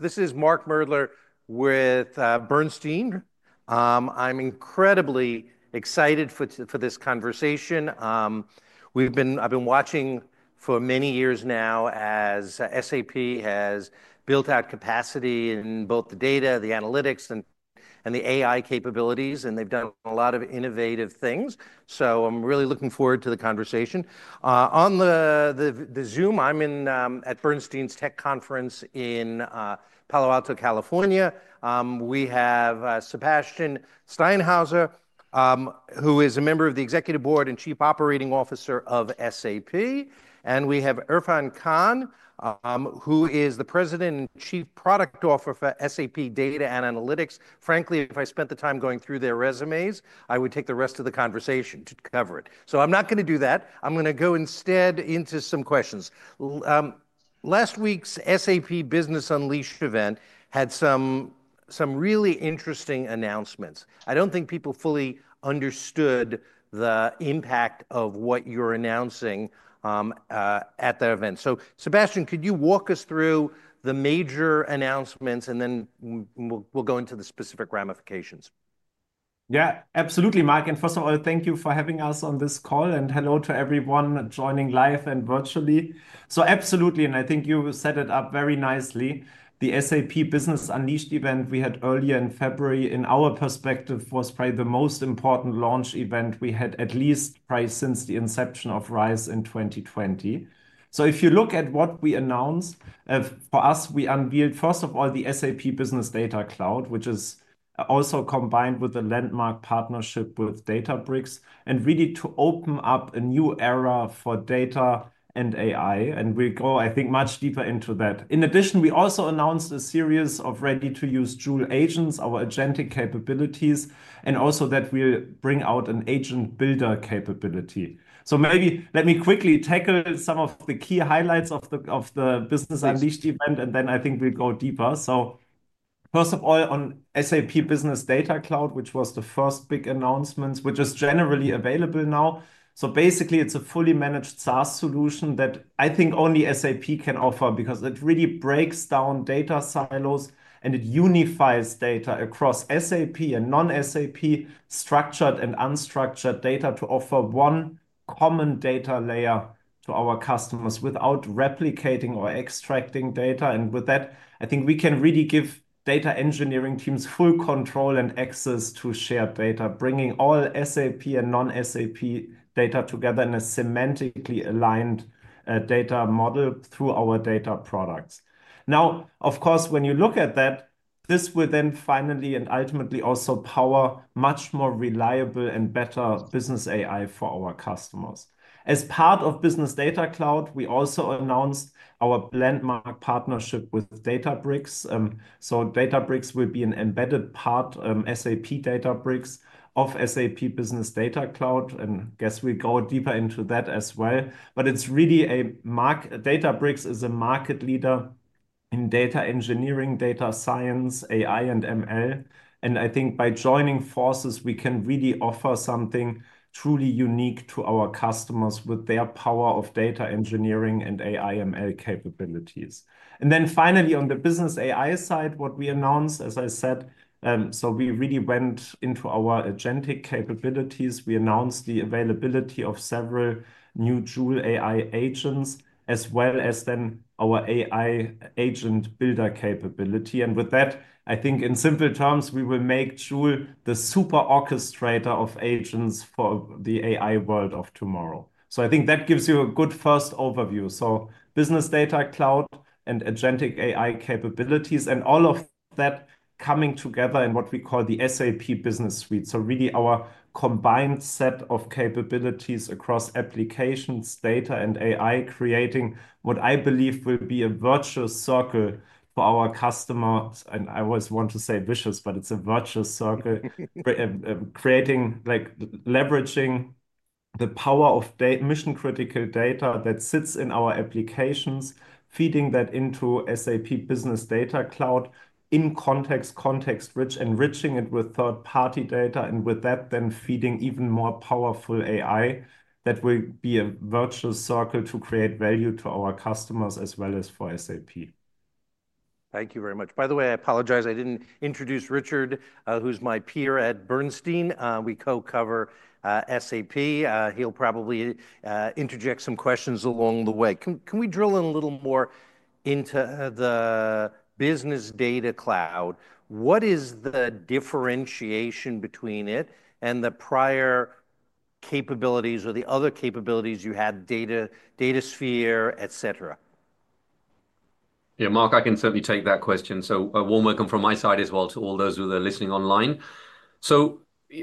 This is Mark Moerdler with Bernstein. I'm incredibly excited for this conversation. I've been watching for many years now as SAP has built out capacity in both the data, the analytics, and the AI capabilities, and they've done a lot of innovative things. So I'm really looking forward to the conversation. On the Zoom, I'm at Bernstein's Tech Conference in Palo Alto, California. We have Sebastian Steinhäuser, who is a member of the Executive Board and Chief Operating Officer of SAP. And we have Irfan Khan, who is the President and Chief Product Officer for SAP Data and Analytics. Frankly, if I spent the time going through their resumes, I would take the rest of the conversation to cover it. So I'm not going to do that. I'm going to go instead into some questions. Last week's SAP Business Unleashed event had some really interesting announcements. I don't think people fully understood the impact of what you're announcing at that event. So Sebastian, could you walk us through the major announcements, and then we'll go into the specific ramifications? Yeah, absolutely, Mark. And first of all, thank you for having us on this call. And hello to everyone joining live and virtually. So absolutely. And I think you set it up very nicely. The SAP Business Unleashed event we had earlier in February, in our perspective, was probably the most important launch event we had, at least probably since the inception of RISE in 2020. So if you look at what we announced, for us, we unveiled, first of all, the SAP Business Data Cloud, which is also combined with a landmark partnership with Databricks, and really to open up a new era for data and AI. And we go, I think, much deeper into that. In addition, we also announced a series of ready-to-use Joule agents, our agentic capabilities, and also that we'll bring out an agent builder capability. So maybe let me quickly tackle some of the key highlights of the Business Unleashed event, and then I think we'll go deeper. So first of all, on SAP Business Data Cloud, which was the first big announcement, which is generally available now. So basically, it's a fully managed SaaS solution that I think only SAP can offer because it really breaks down data silos and it unifies data across SAP and non-SAP, structured and unstructured data, to offer one common data layer to our customers without replicating or extracting data. And with that, I think we can really give data engineering teams full control and access to shared data, bringing all SAP and non-SAP data together in a semantically aligned data model through our data products. Now, of course, when you look at that, this will then finally and ultimately also power much more reliable and better Business AI for our customers. As part of Business Data Cloud, we also announced our landmark partnership with Databricks, so Databricks will be an embedded part, SAP Databricks, of SAP Business Data Cloud, and I guess we'll go deeper into that as well, but it's really Databricks is a market leader in data engineering, data science, AI, and ML, and I think by joining forces, we can really offer something truly unique to our customers with their power of data engineering and AI ML capabilities, and then finally, on the Business AI side, what we announced, as I said, so we really went into our agentic capabilities. We announced the availability of several new Joule AI agents, as well as then our AI agent builder capability. And with that, I think in simple terms, we will make Joule the super orchestrator of agents for the AI world of tomorrow. So I think that gives you a good first overview. So Business Data Cloud and agentic AI capabilities and all of that coming together in what we call the SAP Business Suite. So really our combined set of capabilities across applications, data, and AI, creating what I believe will be a virtuous circle for our customers. And I always want to say vicious, but it's a virtuous circle, creating, leveraging the power of mission-critical data that sits in our applications, feeding that into SAP Business Data Cloud in context, context-rich, enriching it with third-party data, and with that, then feeding even more powerful AI that will be a virtuous circle to create value to our customers as well as for SAP. Thank you very much. By the way, I apologize. I didn't introduce Richard, who's my peer at Bernstein. We co-cover SAP. He'll probably interject some questions along the way. Can we drill in a little more into the Business Data Cloud? What is the differentiation between it and the prior capabilities or the other capabilities you had, Datasphere, et cetera? Yeah, Mark, I can certainly take that question. So one welcome from my side as well to all those who are listening online. So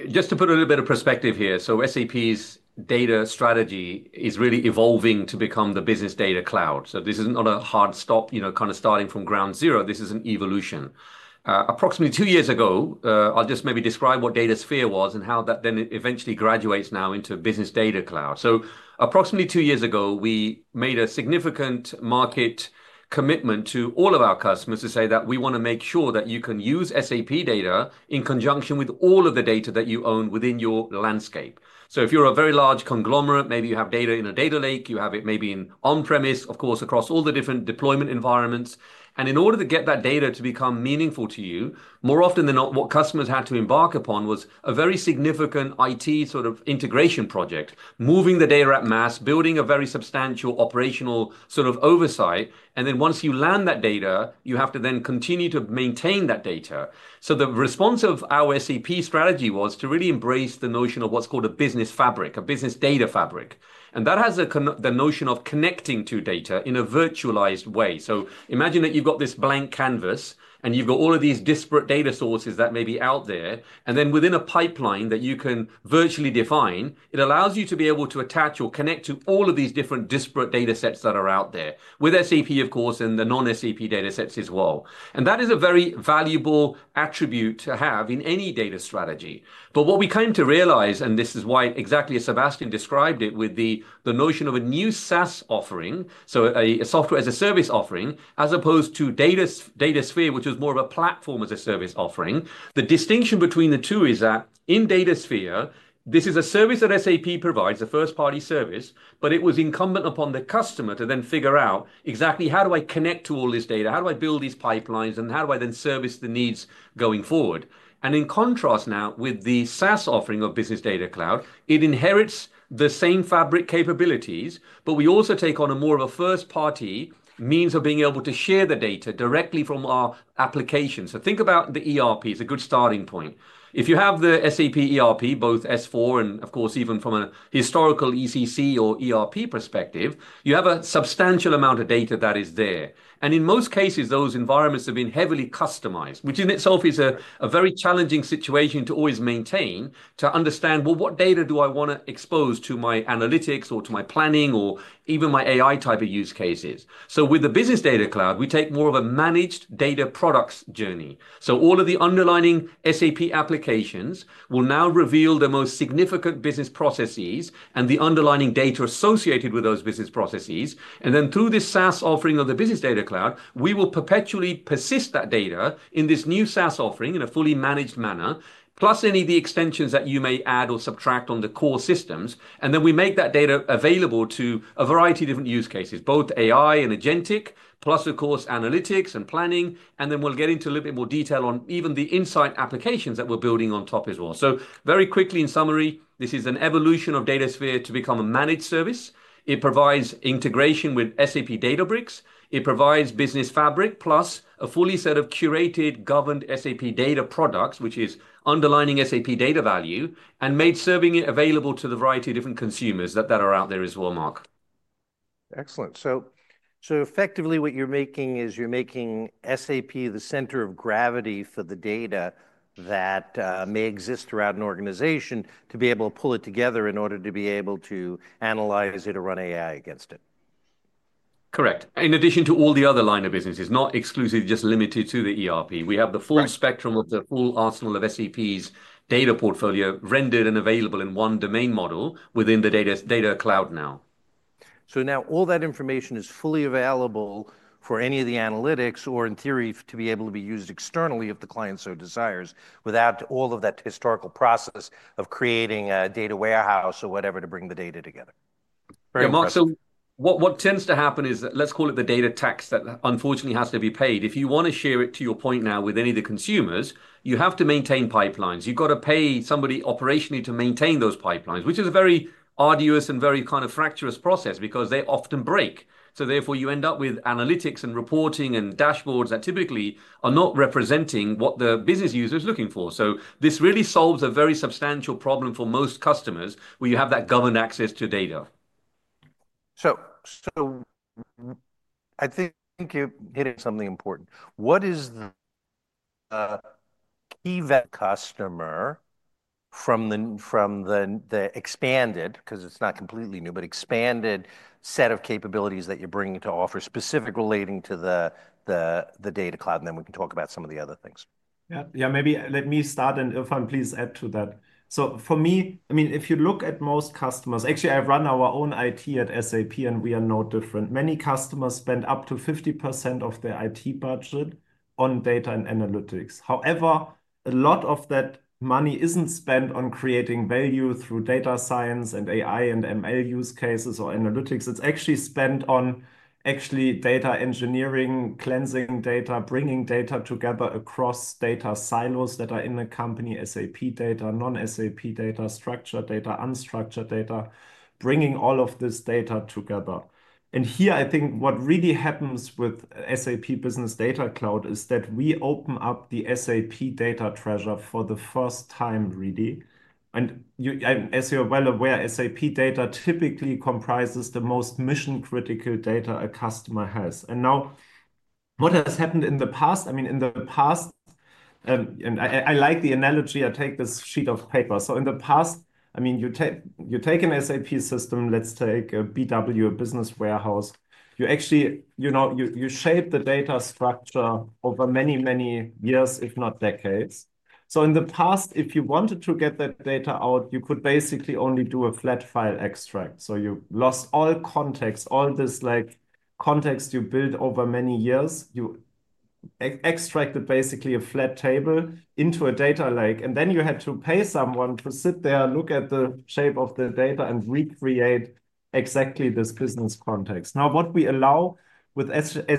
just to put a little bit of perspective here, so SAP's data strategy is really evolving to become the Business Data Cloud. So this is not a hard stop, kind of starting from ground zero. This is an evolution. Approximately two years ago, I'll just maybe describe what Datasphere was and how that then eventually graduates now into Business Data Cloud. So approximately two years ago, we made a significant market commitment to all of our customers to say that we want to make sure that you can use SAP data in conjunction with all of the data that you own within your landscape. So if you're a very large conglomerate, maybe you have data in a data lake, you have it maybe in on-premise, of course, across all the different deployment environments. And in order to get that data to become meaningful to you, more often than not, what customers had to embark upon was a very significant IT sort of integration project, moving the data en masse, building a very substantial operational sort of oversight. And then once you land that data, you have to then continue to maintain that data. So the response of our SAP strategy was to really embrace the notion of what's called a business fabric, a Business Data Fabric. And that has the notion of connecting to data in a virtualized way. So imagine that you've got this blank canvas and you've got all of these disparate data sources that may be out there. And then within a pipeline that you can virtually define, it allows you to be able to attach or connect to all of these different disparate data sets that are out there with SAP, of course, and the non-SAP data sets as well. And that is a very valuable attribute to have in any data strategy. But what we came to realize, and this is why exactly Sebastian described it with the notion of a new SaaS offering, so a software as a service offering, as opposed to Datasphere, which was more of a platform as a service offering, the distinction between the two is that in Datasphere, this is a service that SAP provides, a first-party service, but it was incumbent upon the customer to then figure out exactly how do I connect to all this data, how do I build these pipelines, and how do I then service the needs going forward. And in contrast now with the SaaS offering of Business Data Cloud, it inherits the same fabric capabilities, but we also take on more of a first-party means of being able to share the data directly from our application. So think about the ERP as a good starting point. If you have the SAP ERP, both S/4 and, of course, even from a historical ECC or ERP perspective, you have a substantial amount of data that is there. And in most cases, those environments have been heavily customized, which in itself is a very challenging situation to always maintain to understand, well, what data do I want to expose to my analytics or to my planning or even my AI type of use cases? So with the Business Data Cloud, we take more of a managed data products journey. So all of the underlying SAP applications will now reveal the most significant business processes and the underlying data associated with those business processes. And then through this SaaS offering of the Business Data Cloud, we will perpetually persist that data in this new SaaS offering in a fully managed manner, plus any of the extensions that you may add or subtract on the core systems. And then we make that data available to a variety of different use cases, both AI and agentic, plus, of course, analytics and planning. And then we'll get into a little bit more detail on even the insight applications that we're building on top as well. So very quickly, in summary, this is an evolution of Datasphere to become a managed service. It provides integration with SAP Databricks. It provides business fabric, plus a full set of curated, governed SAP data products, which is underlining SAP data value, and making it available to the variety of different consumers that are out there as well, Mark. Excellent. So effectively, what you're making is SAP the center of gravity for the data that may exist throughout an organization to be able to pull it together in order to be able to analyze it or run AI against it. Correct. In addition to all the other line of businesses, not exclusively just limited to the ERP, we have the full spectrum of the full arsenal of SAP's data portfolio rendered and available in One Domain Model within the data cloud now. So now all that information is fully available for any of the analytics or, in theory, to be able to be used externally if the client so desires without all of that historical process of creating a data warehouse or whatever to bring the data together. Yeah, Mark, so what tends to happen is that let's call it the data tax that unfortunately has to be paid. If you want to share it to your point now with any of the consumers, you have to maintain pipelines. You've got to pay somebody operationally to maintain those pipelines, which is a very arduous and very kind of fractious process because they often break. So therefore, you end up with analytics and reporting and dashboards that typically are not representing what the business user is looking for. So this really solves a very substantial problem for most customers where you have that governed access to data. So I think you're hitting something important. What is the key customer from the expanded, because it's not completely new, but expanded set of capabilities that you're bringing to offer specific relating to the data cloud? And then we can talk about some of the other things. Yeah, maybe let me start, and Irfan, please add to that. So for me, I mean, if you look at most customers, actually, I've run our own IT at SAP, and we are no different. Many customers spend up to 50% of their IT budget on data and analytics. However, a lot of that money isn't spent on creating value through data science and AI and ML use cases or analytics. It's actually spent on actually data engineering, cleansing data, bringing data together across data silos that are in the company, SAP data, non-SAP data, structured data, unstructured data, bringing all of this data together. And here, I think what really happens with SAP Business Data Cloud is that we open up the SAP data treasure for the first time, really. And as you're well aware, SAP data typically comprises the most mission-critical data a customer has. And now what has happened in the past. I mean, in the past, and I like the analogy. I take this sheet of paper. So in the past, I mean, you take an SAP system. Let's take a BW, a Business Warehouse. You actually shape the data structure over many, many years, if not decades. So in the past, if you wanted to get that data out, you could basically only do a flat file extract. So you lost all context, all this context you built over many years. You extracted basically a flat table into a data lake, and then you had to pay someone to sit there, look at the shape of the data, and recreate exactly this business context. Now, what we allow with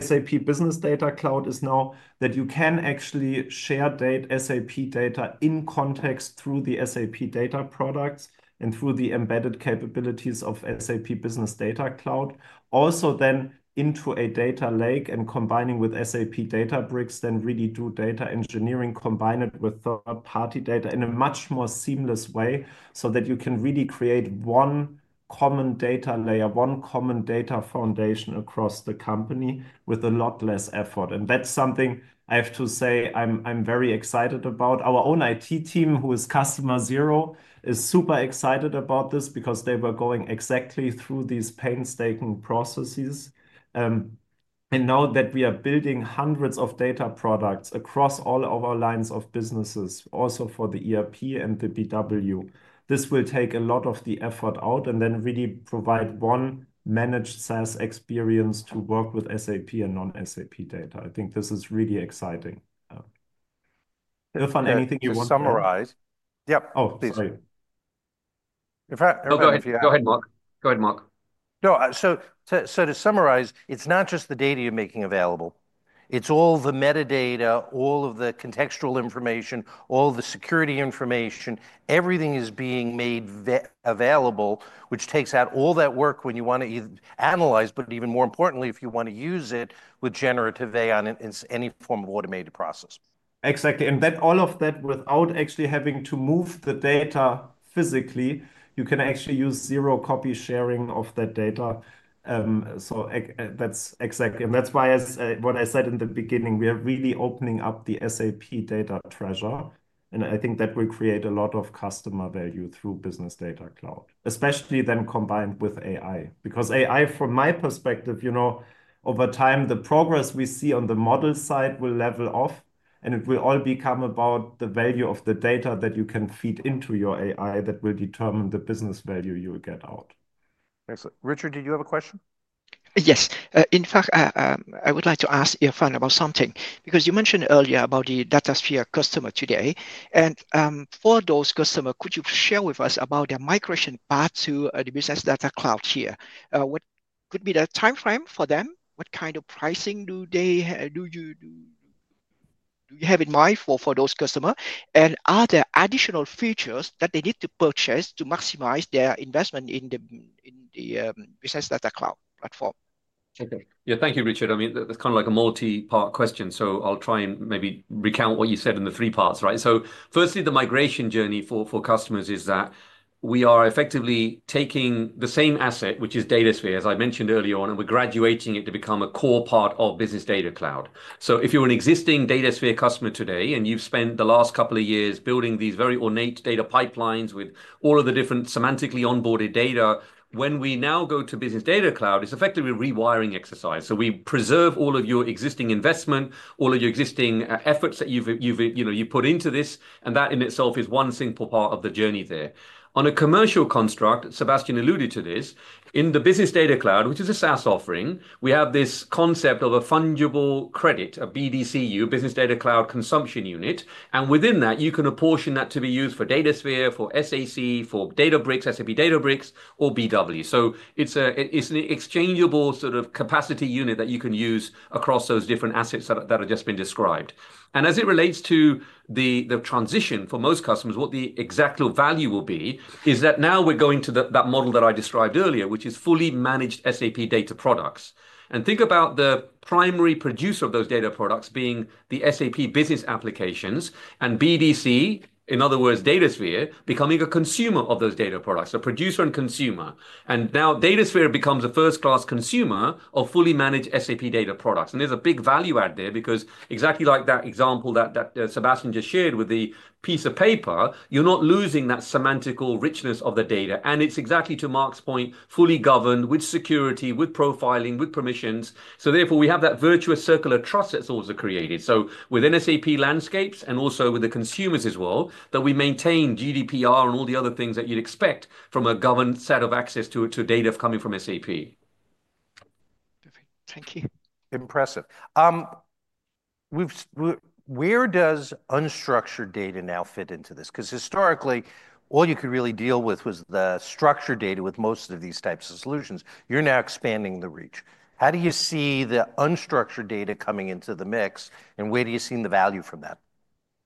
SAP Business Data Cloud is now that you can actually share SAP data in context through the SAP data products and through the embedded capabilities of SAP Business Data Cloud. Also, then, into a data lake and combining with SAP Databricks, then really do data engineering, combine it with third-party data in a much more seamless way so that you can really create one common data layer, one common data foundation across the company with a lot less effort, and that's something I have to say I'm very excited about. Our own IT team, who is customer zero, is super excited about this because they were going exactly through these painstaking processes. Now that we are building hundreds of data products across all of our lines of businesses, also for the ERP and the BW, this will take a lot of the effort out and then really provide one managed SaaS experience to work with SAP and non-SAP data. I think this is really exciting. Irfan, anything you want to summarize? Yep. Oh, please. Go ahead, Mark. Go ahead, Mark. No, so to summarize, it's not just the data you're making available. It's all the metadata, all of the contextual information, all the security information. Everything is being made available, which takes out all that work when you want to analyze, but even more importantly, if you want to use it with generative AI in any form of automated process. Exactly. And then all of that without actually having to move the data physically, you can actually use zero-copy sharing of that data. So that's exactly. And that's why what I said in the beginning, we are really opening up the SAP data treasure. And I think that will create a lot of customer value through Business Data Cloud, especially then combined with AI. Because AI, from my perspective, you know over time, the progress we see on the model side will level off, and it will all become about the value of the data that you can feed into your AI that will determine the business value you will get out. Excellent. Richard, did you have a question? Yes. In fact, I would like to ask Irfan about something because you mentioned earlier about the Datasphere customer today. And for those customers, could you share with us about their migration path to the Business Data Cloud here? What could be the time frame for them? What kind of pricing do you have in mind for those customers? And are there additional features that they need to purchase to maximize their investment in the Business Data Cloud platform? Yeah, thank you, Richard. I mean, that's kind of like a multi-part question. So I'll try and maybe recount what you said in the three parts, right? So firstly, the migration journey for customers is that we are effectively taking the same asset, which is Datasphere, as I mentioned earlier on, and we're graduating it to become a core part of Business Data Cloud. So if you're an existing Datasphere customer today and you've spent the last couple of years building these very ornate data pipelines with all of the different semantically onboarded data, when we now go to Business Data Cloud, it's effectively a rewiring exercise. So we preserve all of your existing investment, all of your existing efforts that you've put into this, and that in itself is one simple part of the journey there. On a commercial construct, Sebastian alluded to this. In the Business Data Cloud, which is a SaaS offering, we have this concept of a fungible credit, a BDCU, Business Data Cloud Consumption Unit, and within that, you can apportion that to be used for Datasphere, for SAC, for Databricks, SAP Databricks, or BW, so it's an exchangeable sort of capacity unit that you can use across those different assets that have just been described, and as it relates to the transition for most customers, what the exact value will be is that now we're going to that model that I described earlier, which is fully managed SAP data products. And think about the primary producer of those data products being the SAP business applications and BDC, in other words, Datasphere, becoming a consumer of those data products, a producer and consumer. And now Datasphere becomes a first-class consumer of fully managed SAP data products. And there's a big value add there because exactly like that example that Sebastian just shared with the piece of paper, you're not losing that semantic richness of the data. And it's exactly to Mark's point, fully governed with security, with profiling, with permissions. So therefore, we have that virtuous circular trust that's also created. So within SAP landscapes and also with the consumers as well, that we maintain GDPR and all the other things that you'd expect from a governed set of access to data coming from SAP. Perfect. Thank you. Impressive. Where does unstructured data now fit into this? Because historically, all you could really deal with was the structured data with most of these types of solutions. You're now expanding the reach. How do you see the unstructured data coming into the mix, and where do you see the value from that?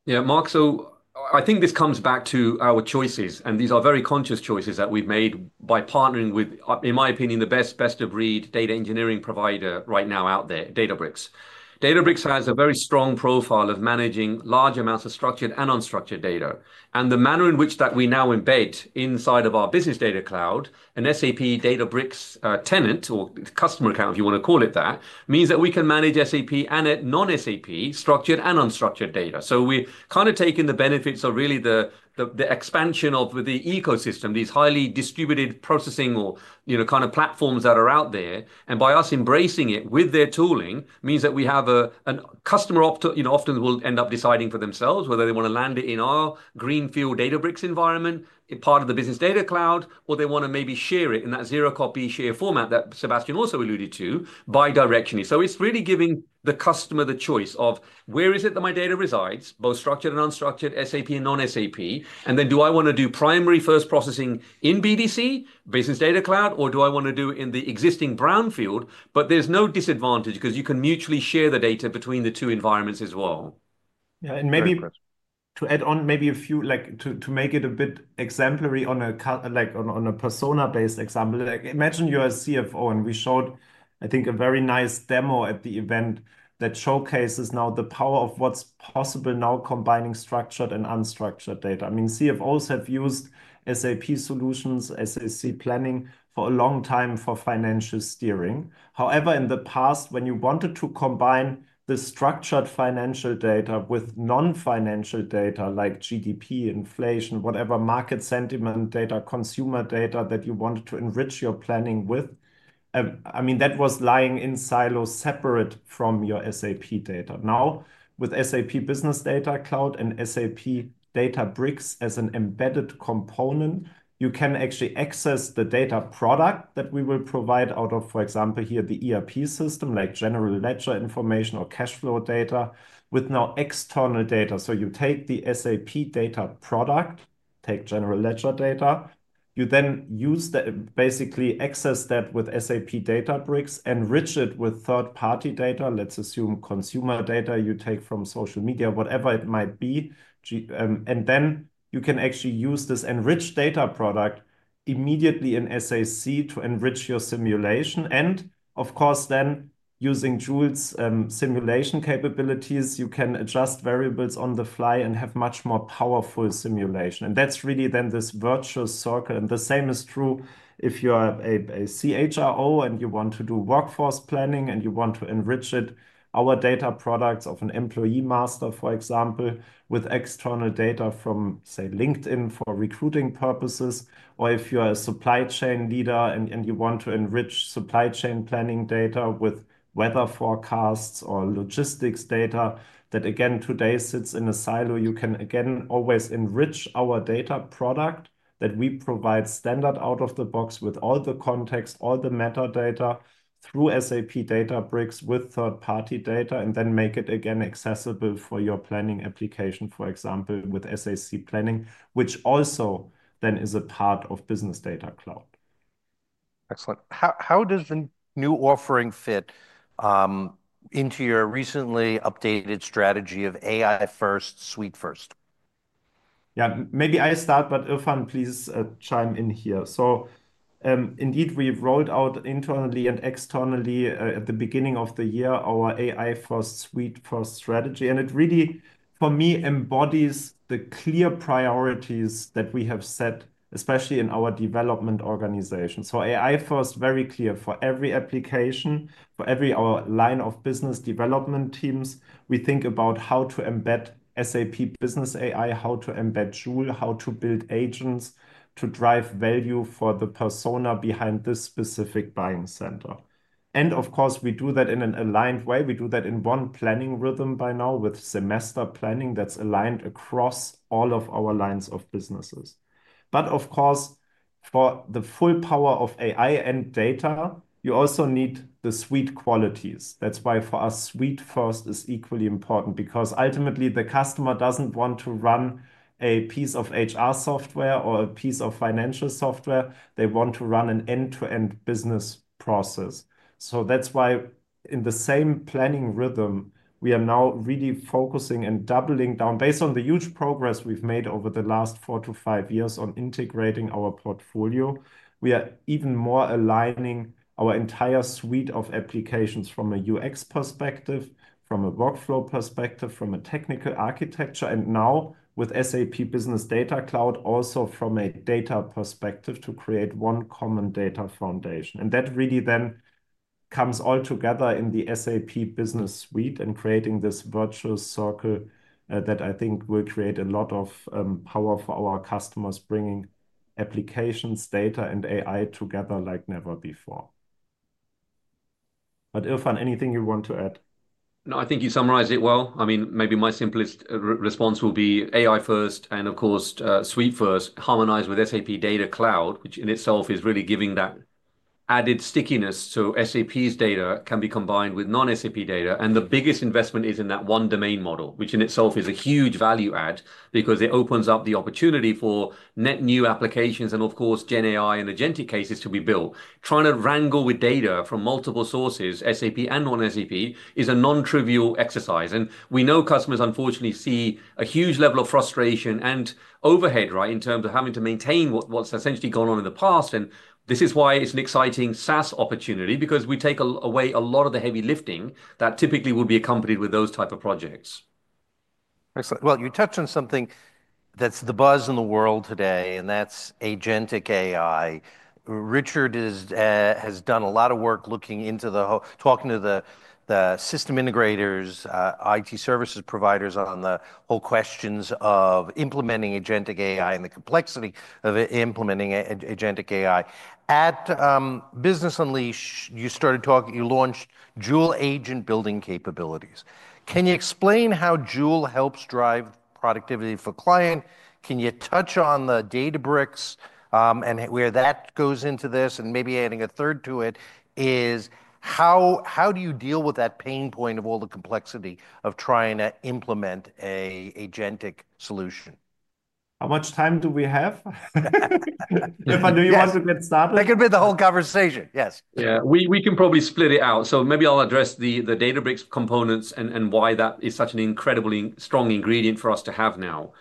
Yeah, Mark, so I think this comes back to our choices and these are very conscious choices that we've made by partnering with, in my opinion, the best of breed data engineering provider right now out there, Databricks. Databricks has a very strong profile of managing large amounts of structured and unstructured data and the manner in which that we now embed inside of our Business Data Cloud, an SAP Databricks tenant or customer account, if you want to call it that, means that we can manage SAP and non-SAP structured and unstructured data. We're kind of taking the benefits of really the expansion of the ecosystem, these highly distributed processing or kind of platforms that are out there. By us embracing it with their tooling means that we have a customer often will end up deciding for themselves whether they want to land it in our greenfield Databricks environment, part of the Business Data Cloud, or they want to maybe share it in that zero-copy sharing format that Sebastian also alluded to, bidirectionally. So it's really giving the customer the choice of where is it that my data resides, both structured and unstructured, SAP and non-SAP. And then do I want to do primary first processing in BDC, Business Data Cloud, or do I want to do it in the existing brownfield? But there's no disadvantage because you can mutually share the data between the two environments as well. Yeah. And maybe to add on, maybe a few, to make it a bit exemplary on a persona-based example, imagine you're a CFO, and we showed, I think, a very nice demo at the event that showcases now the power of what's possible now combining structured and unstructured data. I mean, CFOs have used SAP solutions, SAC planning for a long time for financial steering. However, in the past, when you wanted to combine the structured financial data with non-financial data like GDP, inflation, whatever market sentiment data, consumer data that you wanted to enrich your planning with, I mean, that was lying in silos separate from your SAP data. Now, with SAP Business Data Cloud and SAP Databricks as an embedded component, you can actually access the data product that we will provide out of, for example, here the ERP system, like general ledger information or cash flow data with now external data. So you take the SAP data product, take general ledger data, you then use that, basically access that with SAP Databricks, enrich it with third-party data, let's assume consumer data you take from social media, whatever it might be. And then you can actually use this enriched data product immediately in SAC to enrich your simulation. And of course, then using Joule's simulation capabilities, you can adjust variables on the fly and have much more powerful simulation. And that's really then this virtuous circle. And the same is true if you're a CHRO and you want to do workforce planning and you want to enrich it, our data products of an employee master, for example, with external data from, say, LinkedIn for recruiting purposes. Or if you're a supply chain leader and you want to enrich supply chain planning data with weather forecasts or logistics data that, again, today sits in a silo, you can again always enrich our data product that we provide standard out of the box with all the context, all the metadata through SAP Databricks with third-party data and then make it again accessible for your planning application, for example, with SAC planning, which also then is a part of Business Data Cloud. Excellent. How does the new offering fit into your recently updated strategy of AI-first, suite-first? Yeah, maybe I start, but Irfan, please chime in here. So indeed, we rolled out internally and externally at the beginning of the year our AI-first, suite-first strategy. And it really, for me, embodies the clear priorities that we have set, especially in our development organization. AI-first is very clear for every application, for every line of business development teams. We think about how to embed SAP Business AI, how to embed Joule, how to build agents to drive value for the persona behind this specific buying center. And of course, we do that in an aligned way. We do that in one planning rhythm by now with semester planning that's aligned across all of our lines of businesses. But of course, for the full power of AI and data, you also need the suite qualities. That's why for us, suite-first is equally important because ultimately, the customer doesn't want to run a piece of HR software or a piece of financial software. They want to run an end-to-end business process. So that's why in the same planning rhythm, we are now really focusing and doubling down based on the huge progress we've made over the last four to five years on integrating our portfolio. We are even more aligning our entire suite of applications from a UX perspective, from a workflow perspective, from a technical architecture, and now with SAP Business Data Cloud also from a data perspective to create one common data foundation, and that really then comes all together in the SAP Business Suite and creating this virtuous circle that I think will create a lot of power for our customers, bringing applications, data, and AI together like never before. But Irfan, anything you want to add? No, I think you summarized it well. I mean, maybe my simplest response will be AI-first and, of course, suite-first harmonized with SAP Data Cloud, which in itself is really giving that added stickiness so SAP's data can be combined with non-SAP data. And the biggest investment is in that one domain model, which in itself is a huge value add because it opens up the opportunity for net new applications and, of course, GenAI and agentic cases to be built. Trying to wrangle with data from multiple sources, SAP and non-SAP, is a non-trivial exercise. And we know customers, unfortunately, see a huge level of frustration and overhead, right, in terms of having to maintain what's essentially gone on in the past. This is why it's an exciting SaaS opportunity because we take away a lot of the heavy lifting that typically would be accompanied with those types of projects. Excellent. Well, you touched on something that's the buzz in the world today, and that's Agentic AI. Richard has done a lot of work looking into the whole, talking to the system integrators, IT services providers on the whole questions of implementing Agentic AI and the complexity of implementing Agentic AI. At Business Unleashed, you started talking, you launched Joule agent building capabilities. Can you explain how Joule helps drive productivity for clients? Can you touch on the Databricks and where that goes into this? And maybe adding a third to it is how do you deal with that pain point of all the complexity of trying to implement an agentic solution? How much time do we have? Irfan, do you want to get started? That could be the whole conversation, yes. Yeah, we can probably split it out, so maybe I'll address the Databricks components and why that is such an incredibly strong ingredient for us to have now.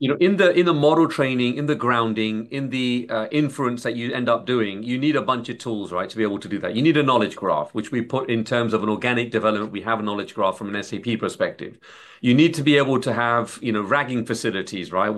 In the model training, in the grounding, in the inference that you end up doing, you need a bunch of tools, right, to be able to do that. You need a knowledge graph, which we put in terms of an organic development. We have a knowledge graph from an SAP perspective. You need to be able to have RAGing facilities, right?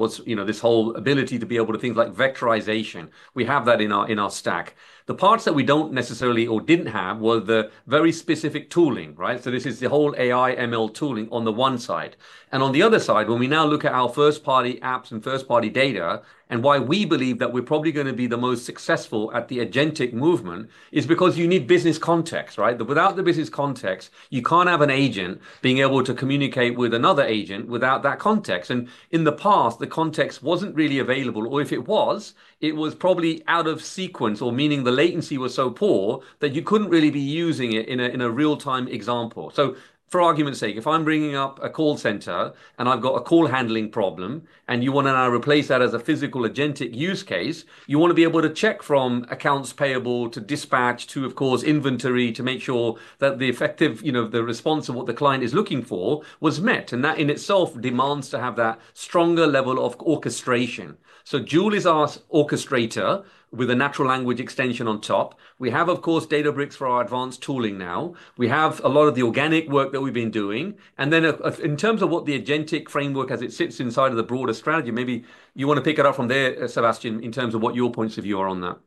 This whole ability to be able to things like vectorization. We have that in our stack. The parts that we don't necessarily or didn't have were the very specific tooling, right, so this is the whole AI ML tooling on the one side, and on the other side, when we now look at our first-party apps and first-party data. And why we believe that we're probably going to be the most successful at the agentic movement is because you need business context, right? Without the business context, you can't have an agent being able to communicate with another agent without that context. And in the past, the context wasn't really available. Or if it was, it was probably out of sequence, or meaning the latency was so poor that you couldn't really be using it in a real-time example. So for argument's sake, if I'm bringing up a call center and I've got a call handling problem and you want to now replace that as a physical agentic use case, you want to be able to check from accounts payable to dispatch to, of course, inventory to make sure that the effective, the response of what the client is looking for was met. That in itself demands to have that stronger level of orchestration. Joule is our orchestrator with a natural language extension on top. We have, of course, Databricks for our advanced tooling now. We have a lot of the organic work that we've been doing. And then in terms of what the agentic framework, as it sits inside of the broader strategy, maybe you want to pick it up from there, Sebastian, in terms of what your points of view are on that.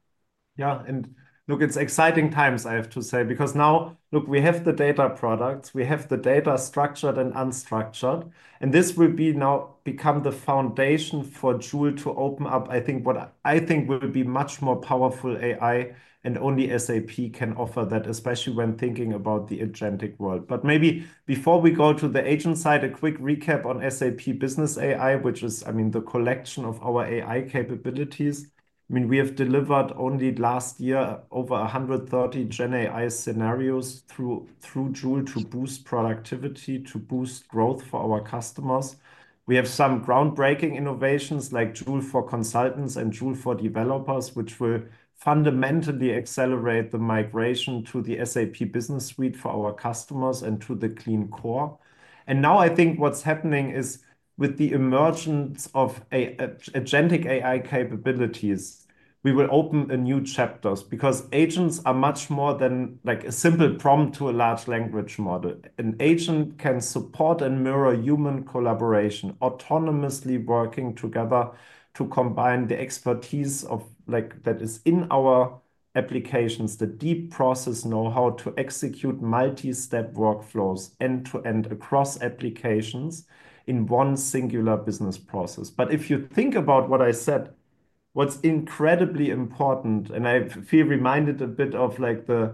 Yeah. And look, it's exciting times, I have to say, because now, look, we have the data products. We have the data structured and unstructured. And this will now become the foundation for Joule to open up, I think, what I think will be much more powerful AI and only SAP can offer that, especially when thinking about the agentic world. But maybe before we go to the agent side, a quick recap on SAP Business AI, which is, I mean, the collection of our AI capabilities. I mean, we have delivered only last year over 130 GenAI scenarios through Joule to boost productivity, to boost growth for our customers. We have some groundbreaking innovations like Joule for consultants and Joule for developers, which will fundamentally accelerate the migration to the SAP Business Suite for our customers and to the Clean Core. And now I think what's happening is with the emergence of agentic AI capabilities, we will open a new chapter because agents are much more than like a simple prompt to a large language model. An agent can support and mirror human collaboration, autonomously working together to combine the expertise that is in our applications, the deep process know-how to execute multi-step workflows end-to-end across applications in one singular business process. But if you think about what I said, what's incredibly important, and I feel reminded a bit of the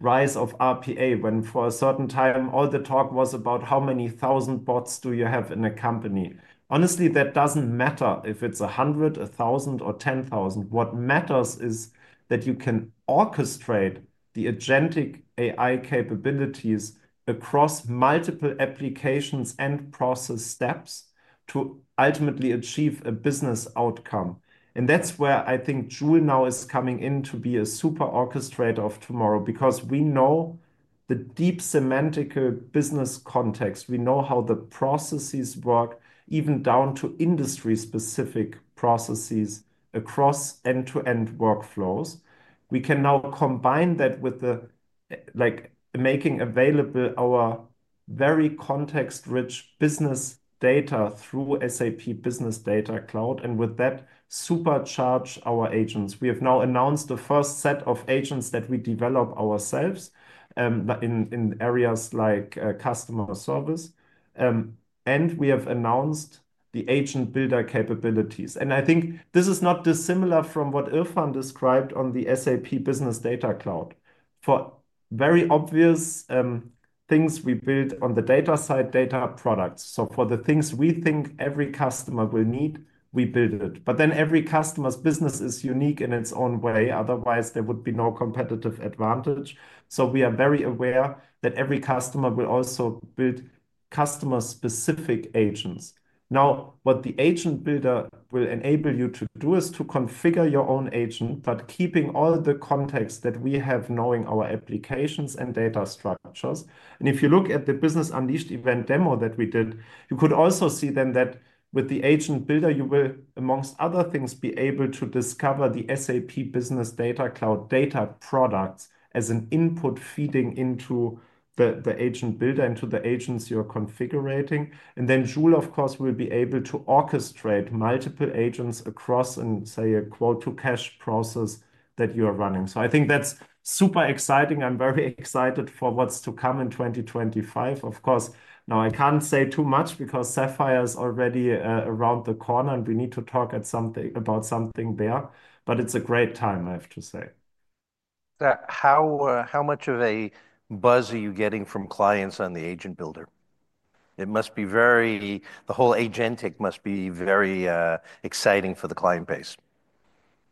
rise of RPA when for a certain time all the talk was about how many thousand bots do you have in a company. Honestly, that doesn't matter if it's 100, 1,000, or 10,000. What matters is that you can orchestrate the agentic AI capabilities across multiple applications and process steps to ultimately achieve a business outcome. That's where I think Joule now is coming in to be a super orchestrator of tomorrow because we know the deep semantical business context. We know how the processes work, even down to industry-specific processes across end-to-end workflows. We can now combine that with making available our very context-rich business data through SAP Business Data Cloud and with that supercharge our agents. We have now announced the first set of agents that we develop ourselves in areas like customer service. And we have announced the agent builder capabilities. And I think this is not dissimilar from what Irfan described on the SAP Business Data Cloud. For very obvious things, we build on the data side, data products. So for the things we think every customer will need, we build it. But then every customer's business is unique in its own way. Otherwise, there would be no competitive advantage. We are very aware that every customer will also build customer-specific agents. Now, what the agent builder will enable you to do is to configure your own agent, but keeping all the context that we have knowing our applications and data structures. If you look at the Business Unleashed event demo that we did, you could also see then that with the agent builder, you will, among other things, be able to discover the SAP Business Data Cloud data products as an input feeding into the agent builder, into the agents you're configuring. Then Joule, of course, will be able to orchestrate multiple agents across and say a quote-to-cash process that you are running. I think that's super exciting. I'm very excited for what's to come in 2025. Of course, now I can't say too much because Sapphire is already around the corner and we need to talk about something there. But it's a great time, I have to say. How much of a buzz are you getting from clients on the agent builder? It must be very, the whole agentic must be very exciting for the client base.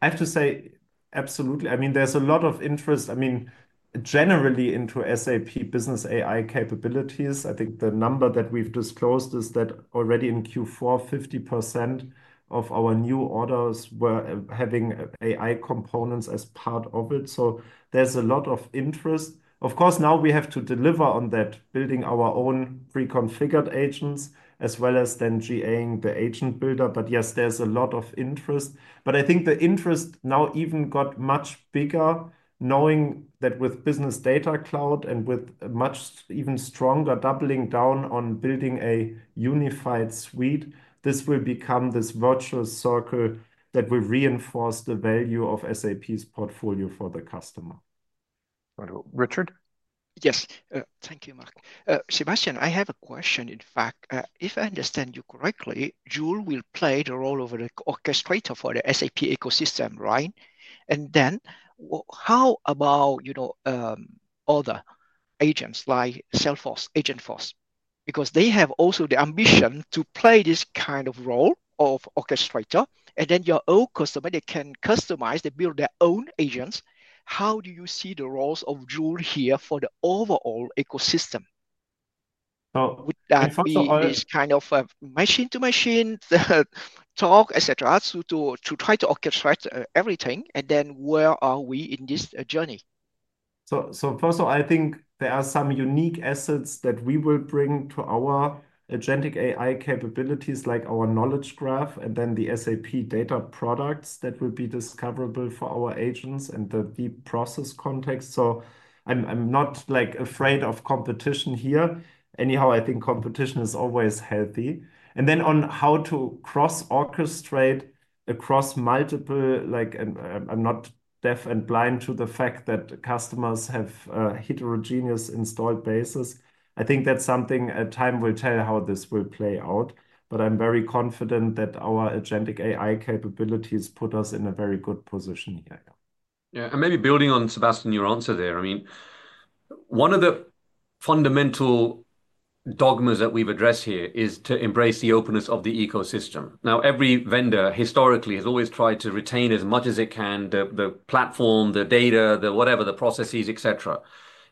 I have to say, absolutely. I mean, there's a lot of interest, I mean, generally into SAP Business AI capabilities. I think the number that we've disclosed is that already in Q4, 50% of our new orders were having AI components as part of it. So there's a lot of interest. Of course, now we have to deliver on that, building our own pre-configured agents as well as then GAing the agent builder. But yes, there's a lot of interest. But I think the interest now even got much bigger knowing that with Business Data Cloud and with much even stronger doubling down on building a unified suite, this will become this virtual circle that will reinforce the value of SAP's portfolio for the customer. Wonderful. Richard? Yes. Thank you, Mark. Sebastian, I have a question. In fact, if I understand you correctly, Joule will play the role of the orchestrator for the SAP ecosystem, right? And then how about other agents like Salesforce, Agentforce? Because they have also the ambition to play this kind of role of orchestrator. And then your old customer, they can customize, they build their own agents. How do you see the roles of Joule here for the overall ecosystem? If I'm so honest. Would that be this kind of machine-to-machine talk, et cetera, to try to orchestrate everything, and then where are we in this journey? So first of all, I think there are some unique assets that we will bring to our Agentic AI capabilities, like our knowledge graph and then the SAP data products that will be discoverable for our agents and the deep process context. So I'm not afraid of competition here. Anyhow, I think competition is always healthy. And then on how to cross-orchestrate across multiple, I'm not deaf and blind to the fact that customers have heterogeneous installed bases. I think that's something time will tell how this will play out. But I'm very confident that our Agentic AI capabilities put us in a very good position here. Yeah. And maybe building on, Sebastian, your answer there, I mean, one of the fundamental dogmas that we've addressed here is to embrace the openness of the ecosystem. Now, every vendor historically has always tried to retain as much as it can, the platform, the data, the whatever, the processes, et cetera.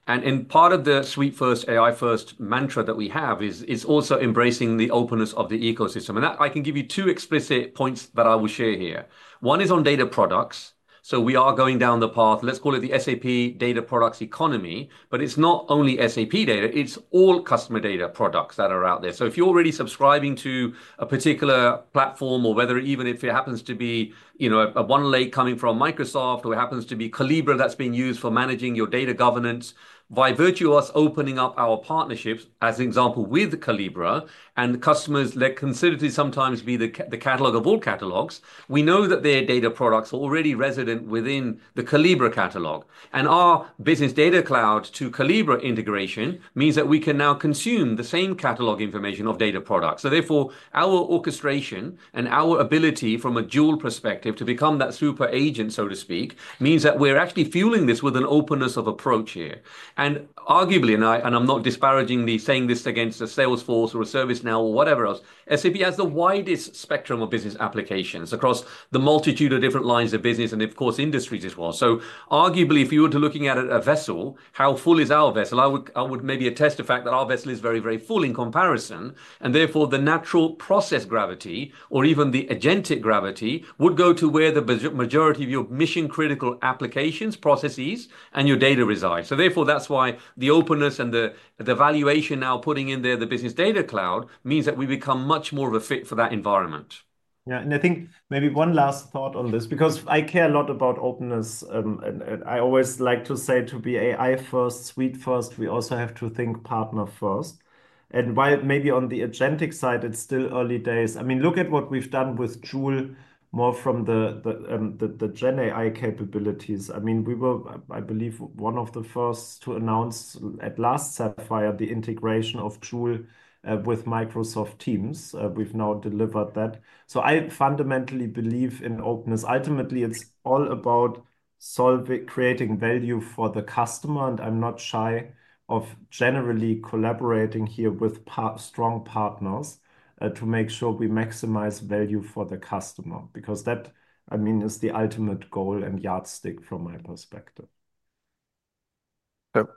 And part of the Suite-first, AI-first mantra that we have is also embracing the openness of the ecosystem. And I can give you two explicit points that I will share here. One is on data products. So we are going down the path, let's call it the SAP data products economy, but it's not only SAP data. It's all customer data products that are out there. If you're already subscribing to a particular platform or whether even if it happens to be a OneLake coming from Microsoft or it happens to be Collibra that's being used for managing your data governance, by virtue of us opening up our partnerships, as an example, with Collibra and customers that consider to sometimes be the catalog of all catalogs, we know that their data products are already resident within the Collibra catalog. Our Business Data Cloud to Collibra integration means that we can now consume the same catalog information of data products. Therefore, our orchestration and our ability from a Joule perspective to become that super agent, so to speak, means that we're actually fueling this with an openness of approach here. Arguably, and I'm not disparaging the saying this against a Salesforce or a ServiceNow or whatever else, SAP has the widest spectrum of business applications across the multitude of different lines of business and, of course, industries as well. So arguably, if you were to looking at a vessel, how full is our vessel? I would maybe attest the fact that our vessel is very, very full in comparison. And therefore, the natural process gravity or even the agentic gravity would go to where the majority of your mission-critical applications, processes, and your data reside. So therefore, that's why the openness and the valuation now putting in there the Business Data Cloud means that we become much more of a fit for that environment. Yeah. And I think maybe one last thought on this because I care a lot about openness. I always like to say to be AI-first, Suite-first, we also have to think partner-first. And while maybe on the agentic side, it's still early days. I mean, look at what we've done with Joule more from the GenAI capabilities. I mean, we were, I believe, one of the first to announce at last Sapphire the integration of Joule with Microsoft Teams. We've now delivered that. So I fundamentally believe in openness. Ultimately, it's all about creating value for the customer. And I'm not shy of generally collaborating here with strong partners to make sure we maximize value for the customer because that, I mean, is the ultimate goal and yardstick from my perspective.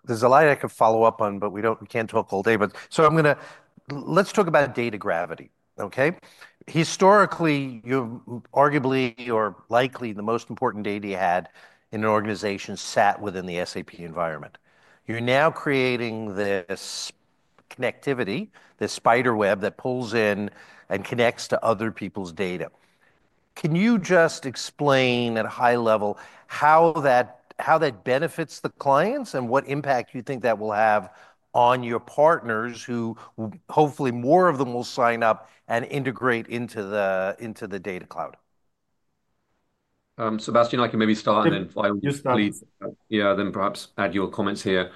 There's a lot I could follow up on, but we can't talk all day. So I'm going to, let's talk about data gravity, okay? Historically, you arguably or likely the most important data you had in an organization sat within the SAP environment. You're now creating this connectivity, this spider web that pulls in and connects to other people's data. Can you just explain at a high level how that benefits the clients and what impact you think that will have on your partners who hopefully more of them will sign up and integrate into the data cloud? Sebastian, I can maybe start and then finally, please, yeah, then perhaps add your comments here.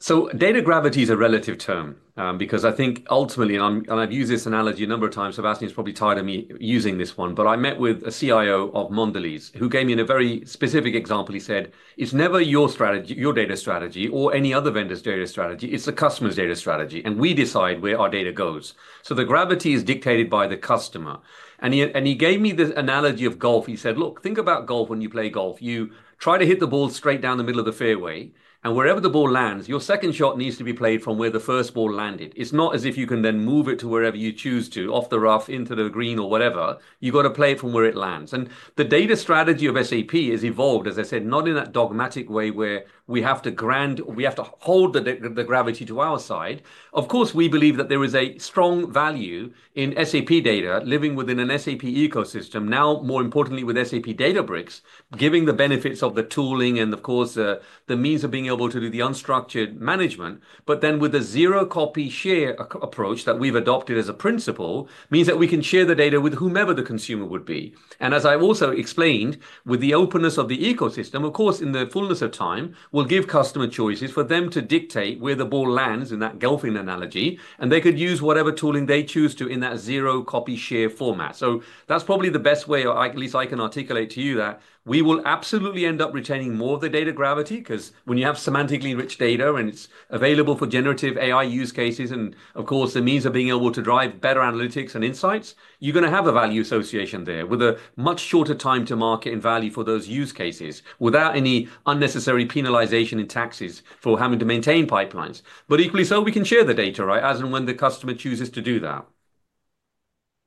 So data gravity is a relative term because I think ultimately, and I've used this analogy a number of times, Sebastian's probably tired of me using this one, but I met with a CIO of Mondelez who gave me a very specific example. He said, "It's never your strategy, your data strategy, or any other vendor's data strategy. It's the customer's data strategy. And we decide where our data goes." So the gravity is dictated by the customer. And he gave me this analogy of golf. He said, "Look, think about golf. When you play golf, you try to hit the ball straight down the middle of the fairway. And wherever the ball lands, your second shot needs to be played from where the first ball landed. It's not as if you can then move it to wherever you choose to, off the rough, into the green or whatever. You've got to play from where it lands." And the data strategy of SAP has evolved, as I said, not in that dogmatic way where we have to grab, we have to hold the gravity to our side. Of course, we believe that there is a strong value in SAP data living within an SAP ecosystem, now more importantly with SAP Databricks, giving the benefits of the tooling and, of course, the means of being able to do the unstructured management. But then with the zero-copy sharing approach that we've adopted as a principle means that we can share the data with whomever the consumer would be. And as I also explained, with the openness of the ecosystem, of course, in the fullness of time, we'll give customer choices for them to dictate where the ball lands in that golfing analogy. And they could use whatever tooling they choose to in that zero-copy sharing format. So that's probably the best way, at least I can articulate to you that we will absolutely end up retaining more of the data gravity because when you have semantically rich data and it's available for generative AI use cases and, of course, the means of being able to drive better analytics and insights, you're going to have a value association there with a much shorter time to market and value for those use cases without any unnecessary penalization in taxes for having to maintain pipelines. But equally so, we can share the data, right, as and when the customer chooses to do that.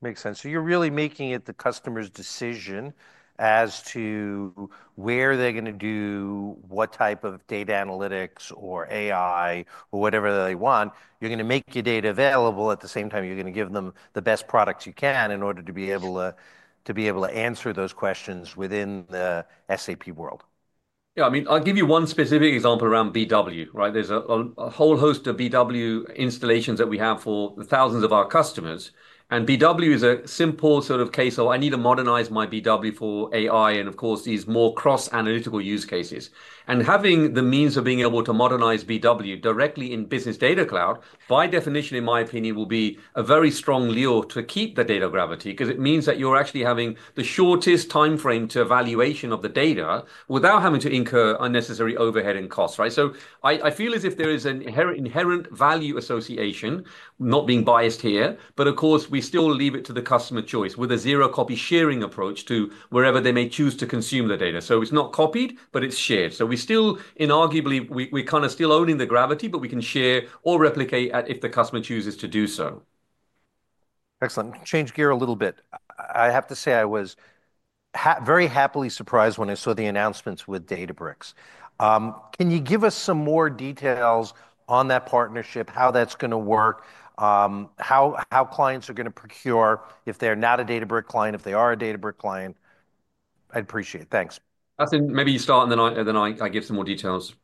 Makes sense. So you're really making it the customer's decision as to where they're going to do what type of data analytics or AI or whatever they want. You're going to make your data available. At the same time, you're going to give them the best products you can in order to be able to answer those questions within the SAP world. Yeah. I mean, I'll give you one specific example around BW, right? There's a whole host of BW installations that we have for thousands of our customers. And BW is a simple sort of case of, "I need to modernize my BW for AI and, of course, these more cross-analytical use cases." And having the means of being able to modernize BW directly in Business Data Cloud, by definition, in my opinion, will be a very strong lure to keep the data gravity because it means that you're actually having the shortest timeframe to evaluation of the data without having to incur unnecessary overhead and costs, right? So I feel as if there is an inherent value association, not being biased here, but of course, we still leave it to the customer choice with a zero-copy sharing approach to wherever they may choose to consume the data. So it's not copied, but it's shared. So we still, inarguably, we're kind of still owning the gravity, but we can share or replicate if the customer chooses to do so. Excellent. Change gear a little bit. I have to say I was very happily surprised when I saw the announcements with Databricks. Can you give us some more details on that partnership, how that's going to work, how clients are going to procure if they're not a Databricks client, if they are a Databricks client? I'd appreciate it. Thanks. I think maybe you start and then I give some more details.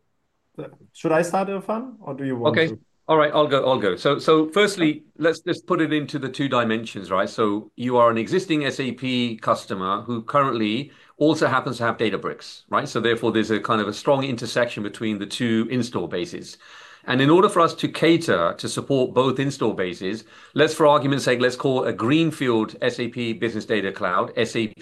Should I start, Irfan, or do you want to? Okay. All right. I'll go. So firstly, let's just put it into the two dimensions, right? So you are an existing SAP customer who currently also happens to have Databricks, right? So therefore, there's a kind of a strong intersection between the two install bases. And in order for us to cater to support both install bases, let's for argument's sake, let's call a greenfield SAP Business Data Cloud, SAP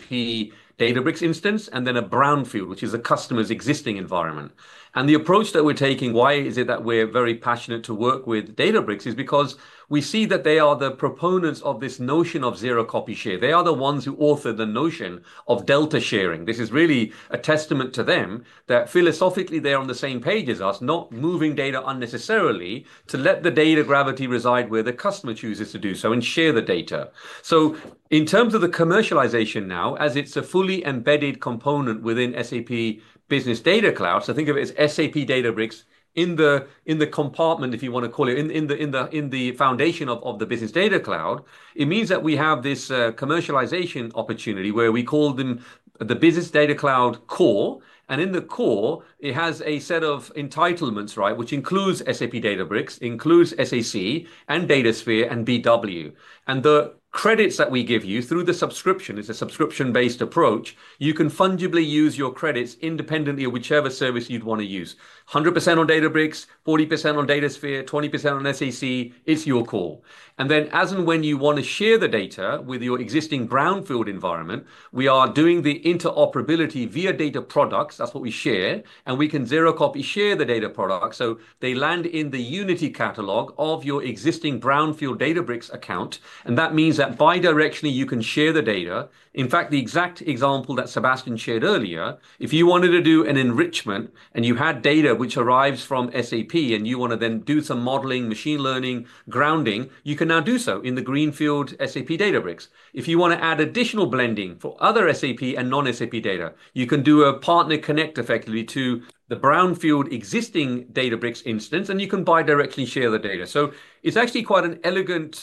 Databricks instance, and then a brownfield, which is a customer's existing environment. And the approach that we're taking, why is it that we're very passionate to work with Databricks is because we see that they are the proponents of this notion of zero-copy sharing. They are the ones who authored the notion of Delta Sharing. This is really a testament to them that philosophically, they are on the same page as us, not moving data unnecessarily to let the data gravity reside where the customer chooses to do so and share the data. So in terms of the commercialization now, as it's a fully embedded component within SAP Business Data Cloud, so think of it as SAP Databricks in the compartment, if you want to call it, in the foundation of the Business Data Cloud, it means that we have this commercialization opportunity where we call them the Business Data Cloud Core. And in the Core, it has a set of entitlements, right, which includes SAP Databricks, includes SAC and Datasphere and BW. And the credits that we give you through the subscription, it's a subscription-based approach, you can fungibly use your credits independently of whichever service you'd want to use. 100% on Databricks, 40% on Datasphere, 20% on SAC. It's your call. Then as and when you want to share the data with your existing brownfield environment, we are doing the interoperability via data products. That's what we share. We can zero-copy share the data products. So they land in the Unity Catalog of your existing brownfield Databricks account. That means that bidirectionally, you can share the data. In fact, the exact example that Sebastian shared earlier, if you wanted to do an enrichment and you had data which arrives from SAP and you want to then do some modeling, machine learning, grounding, you can now do so in the greenfield SAP Databricks. If you want to add additional blending for other SAP and non-SAP data, you can do a Partner Connect effectively to the brownfield existing Databricks instance, and you can bidirectionally share the data. So it's actually quite an elegant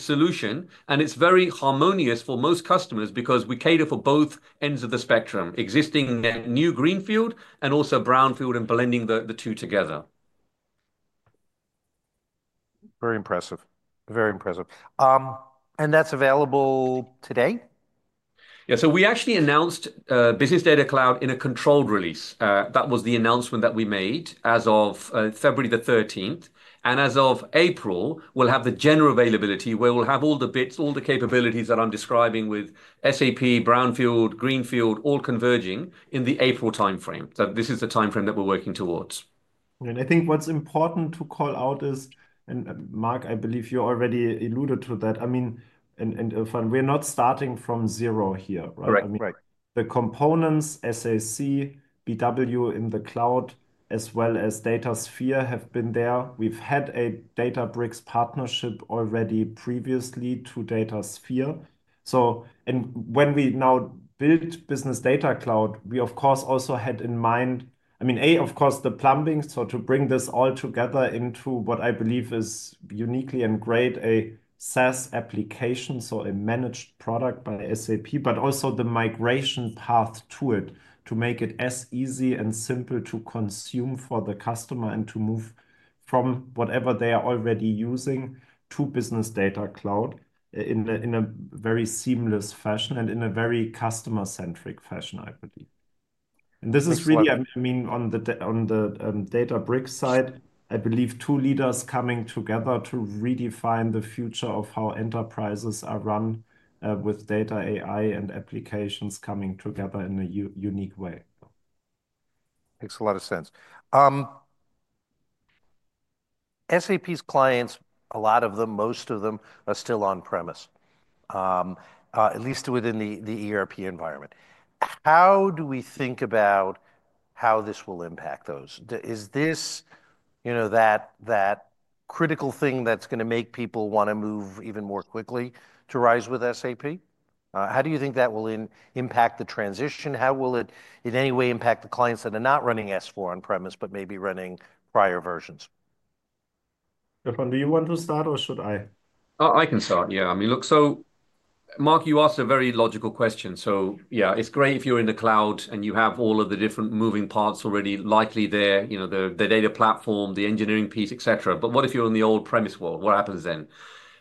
solution, and it's very harmonious for most customers because we cater for both ends of the spectrum, existing new greenfield and also brownfield and blending the two together. Very impressive. Very impressive. And that's available today? Yeah. So we actually announced Business Data Cloud in a controlled release. That was the announcement that we made as of February the 13th. And as of April, we'll have the general availability. We will have all the bits, all the capabilities that I'm describing with SAP, brownfield, greenfield, all converging in the April timeframe. So this is the timeframe that we're working towards. I think what's important to call out is, and Mark, I believe you already alluded to that. I mean, and Irfan, we're not starting from zero here, right? Right. Right. The components, SAC, BW in the cloud, as well as Datasphere have been there. We've had a Databricks partnership already previously to Datasphere, so when we now built Business Data Cloud, we, of course, also had in mind, I mean, A, of course, the plumbing, so to bring this all together into what I believe is uniquely integrated, a SaaS application, so a managed product by SAP, but also the migration path to it to make it as easy and simple to consume for the customer and to move from whatever they are already using to Business Data Cloud in a very seamless fashion and in a very customer-centric fashion, I believe, and this is really, I mean, on the Databricks side, I believe two leaders coming together to redefine the future of how enterprises are run with data AI and applications coming together in a unique way. Makes a lot of sense. SAP's clients, a lot of them, most of them are still on-premise, at least within the ERP environment. How do we think about how this will impact those? Is this that critical thing that's going to make people want to move even more quickly, to RISE with SAP? How do you think that will impact the transition? How will it in any way impact the clients that are not running S/4 on-premise, but maybe running prior versions? Irfan, do you want to start or should I? I can start, yeah. I mean, look, so Mark, you asked a very logical question, so yeah, it's great if you're in the cloud and you have all of the different moving parts already likely there, the data platform, the engineering piece, et cetera. But what if you're in the on-premise world? What happens then?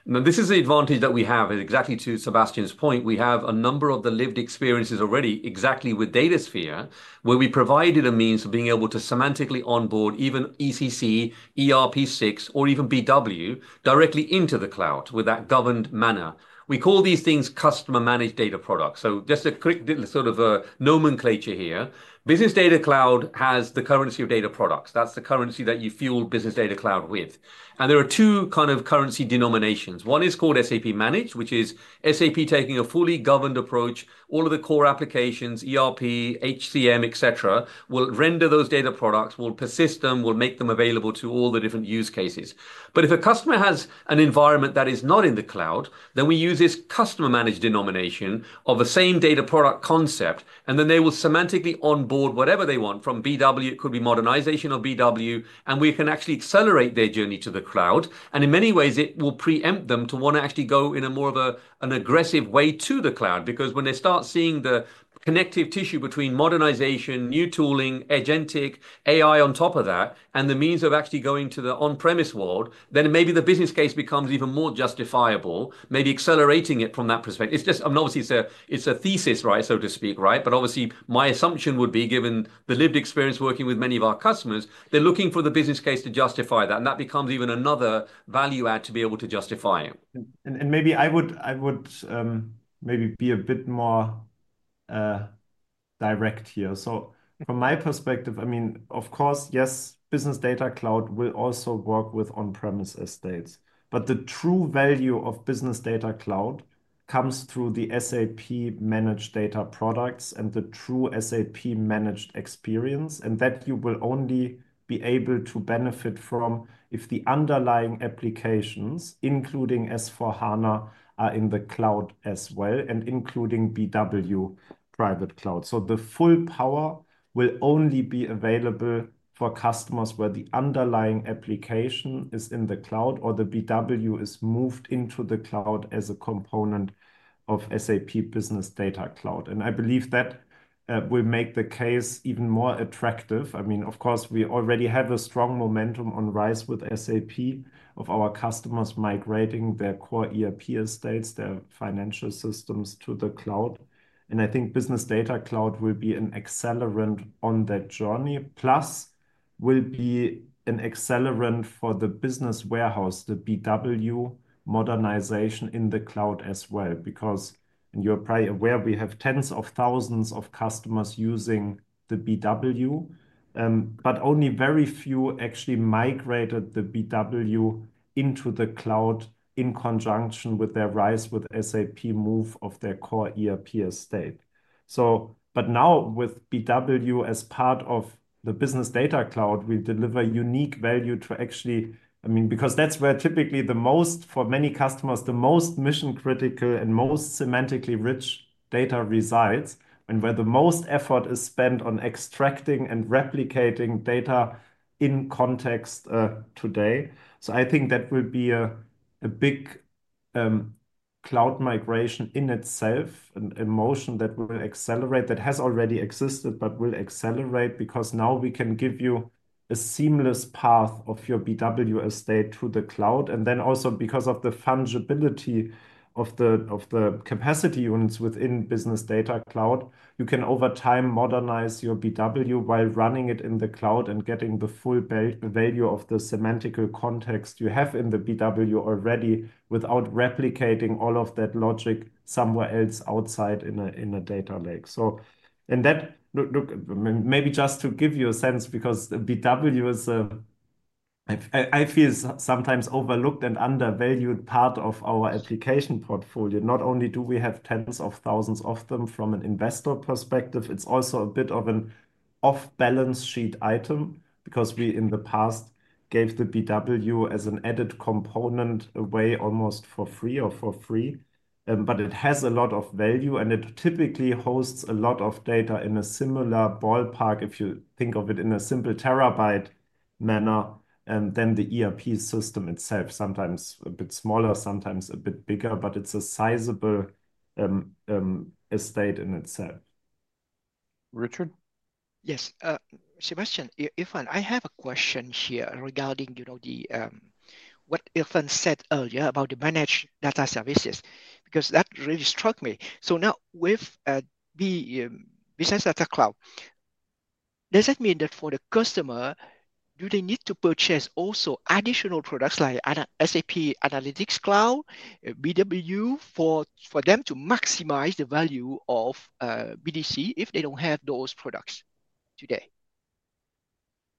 This is the advantage that we have, and exactly to Sebastian's point, we have a number of the lived experiences already exactly with Datasphere where we provided a means of being able to semantically onboard even ECC, ERP 6.0, or even BW directly into the cloud with that governed manner. We call these things customer-managed data products. So just a quick sort of nomenclature here. Business Data Cloud has the currency of data products. That's the currency that you fuel Business Data Cloud with. And there are two kind of currency denominations. One is called SAP Managed, which is SAP taking a fully governed approach. All of the core applications, ERP, HCM, et cetera, will render those data products, will persist them, will make them available to all the different use cases. But if a customer has an environment that is not in the cloud, then we use this customer-managed denomination of the same data product concept. And then they will semantically onboard whatever they want from BW. It could be modernization of BW. And we can actually accelerate their journey to the cloud. In many ways, it will preempt them to want to actually go in a more of an aggressive way to the cloud because when they start seeing the connective tissue between modernization, new tooling, agentic AI on top of that, and the means of actually going to the on-premise world, then maybe the business case becomes even more justifiable, maybe accelerating it from that perspective. It's just, I mean, obviously, it's a thesis, right, so to speak, right? Obviously, my assumption would be, given the lived experience working with many of our customers, they're looking for the business case to justify that. That becomes even another value add to be able to justify it. Maybe I would be a bit more direct here. From my perspective, I mean, of course, yes, SAP Business Data Cloud will also work with on-premise estates. The true value of SAP Business Data Cloud comes through the SAP Managed Data products and the true SAP Managed experience. You will only be able to benefit from that if the underlying applications, including S/4HANA, are in the cloud as well, including BW private cloud. The full power will only be available for customers where the underlying application is in the cloud or the BW is moved into the cloud as a component of SAP Business Data Cloud. I believe that will make the case even more attractive. I mean, of course, we already have a strong momentum on RISE with SAP of our customers migrating their core ERP estates, their financial systems to the cloud. And I think Business Data Cloud will be an accelerant on that journey. Plus, will be an accelerant for the Business Warehouse, the BW modernization in the cloud as well because you're probably aware, we have tens of thousands of customers using the BW, but only very few actually migrated the BW into the cloud in conjunction with their RISE with SAP move of their core ERP estate. But now with BW as part of the Business Data Cloud, we deliver unique value to actually, I mean, because that's where typically the most, for many customers, the most mission-critical and most semantically rich data resides and where the most effort is spent on extracting and replicating data in context today. I think that will be a big cloud migration in itself, a motion that will accelerate that has already existed, but will accelerate because now we can give you a seamless path of your BW estate to the cloud. Then also because of the fungibility of the capacity units within Business Data Cloud, you can over time modernize your BW while running it in the cloud and getting the full value of the semantical context you have in the BW already without replicating all of that logic somewhere else outside in a data lake. Look, maybe just to give you a sense because BW is a, I feel sometimes overlooked and undervalued part of our application portfolio. Not only do we have tens of thousands of them from an investor perspective, it's also a bit of an off-balance sheet item because we in the past gave the BW as an added component away almost for free or for free. But it has a lot of value, and it typically hosts a lot of data in a similar ballpark, if you think of it in a simple terabyte manner, than the ERP system itself, sometimes a bit smaller, sometimes a bit bigger, but it's a sizable estate in itself. Richard? Yes. Sebastian, Irfan, I have a question here regarding what Irfan said earlier about the managed data services because that really struck me, so now with Business Data Cloud, does that mean that for the customer, do they need to purchase also additional products like SAP Analytics Cloud, BW for them to maximize the value of BDC if they don't have those products today?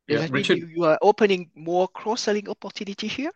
Yeah, Richard. You are opening more cross-selling opportunity here?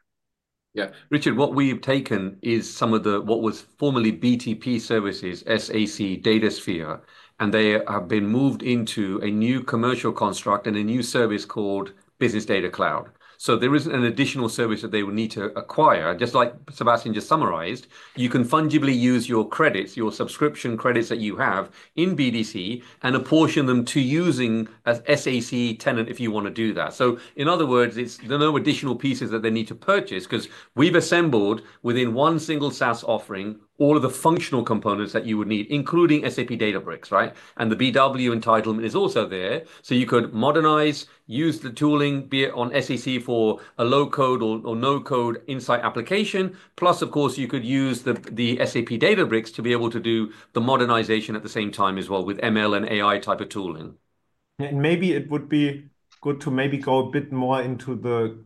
Yeah. Richard, what we've taken is some of the what was formerly BTP services, SAC, Datasphere, and they have been moved into a new commercial construct and a new service called Business Data Cloud. So there is an additional service that they would need to acquire. Just like Sebastian just summarized, you can fungibly use your credits, your subscription credits that you have in BDC and apportion them to using as SAC tenant if you want to do that. So in other words, there are no additional pieces that they need to purchase because we've assembled within one single SaaS offering all of the functional components that you would need, including SAP Databricks, right? And the BW entitlement is also there. So you could modernize, use the tooling, be it on SAC for a low-code or no-code insight application. Plus, of course, you could use the SAP Databricks to be able to do the modernization at the same time as well with ML and AI type of tooling. And maybe it would be good to maybe go a bit more into the,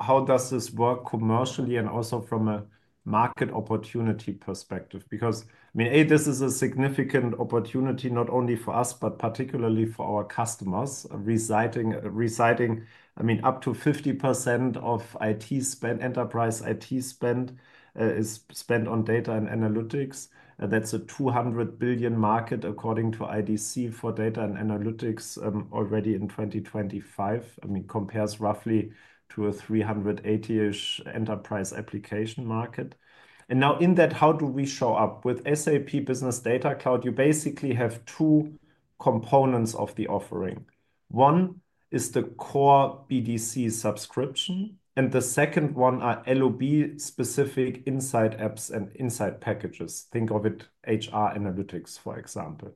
how does this work commercially and also from a market opportunity perspective? Because, I mean, A, this is a significant opportunity not only for us, but particularly for our customers residing, I mean, up to 50% of IT spend, enterprise IT spend is spent on data and analytics. That's a $200 billion market according to IDC for data and analytics already in 2025. I mean, compares roughly to a $380-ish billion enterprise application market. And now in that, how do we show up? With SAP Business Data Cloud, you basically have two components of the offering. One is the core BDC subscription, and the second one are LOB-specific insight apps and insight packages. Think of it HR analytics, for example.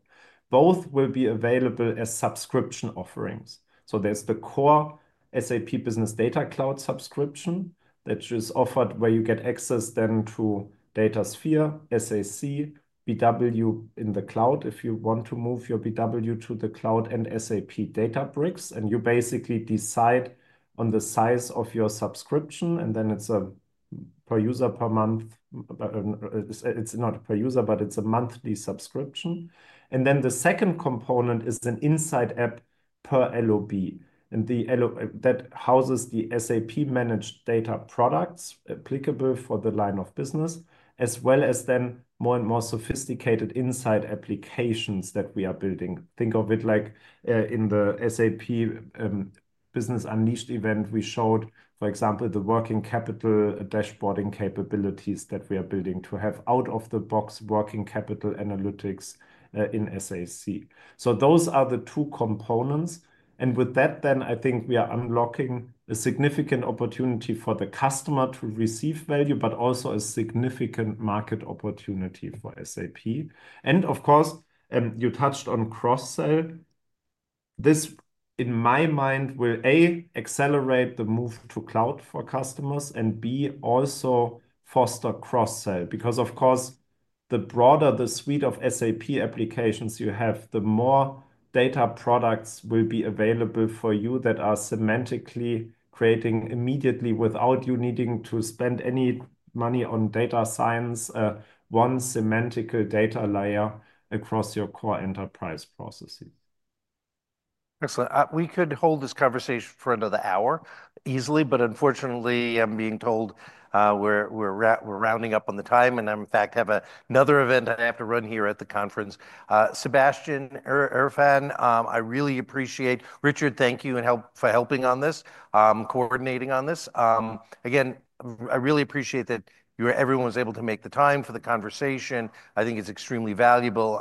Both will be available as subscription offerings. There's the core SAP Business Data Cloud subscription that is offered where you get access then to Datasphere, SAC, BW in the cloud if you want to move your BW to the cloud and SAP Databricks. You basically decide on the size of your subscription, and then it's a per user per month. It's not per user, but it's a monthly subscription. The second component is an insight app per LOB. That houses the SAP Managed data products applicable for the line of business, as well as then more and more sophisticated insight applications that we are building. Think of it like in the SAP Business Unleashed event, we showed, for example, the working capital dashboarding capabilities that we are building to have out-of-the-box working capital analytics in SAC. Those are the two components. And with that, then I think we are unlocking a significant opportunity for the customer to receive value, but also a significant market opportunity for SAP. And of course, you touched on cross-sell. This, in my mind, will A, accelerate the move to cloud for customers and B, also foster cross-sell because, of course, the broader the suite of SAP applications you have, the more data products will be available for you that are semantically creating immediately without you needing to spend any money on data science. One semantic data layer across your core enterprise processes. Excellent. We could hold this conversation for another hour easily, but unfortunately, I'm being told we're running up on the time, and in fact, I have another event I have to run here at the conference. Sebastian, Irfan, I really appreciate. Richard, thank you for helping on this, coordinating on this. Again, I really appreciate that everyone was able to make the time for the conversation. I think it's extremely valuable.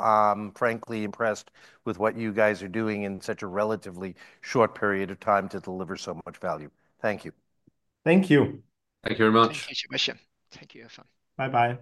Frankly, impressed with what you guys are doing in such a relatively short period of time to deliver so much value. Thank you. Thank you. Thank you very much. Thank you, Mr. Irfan. Bye-bye.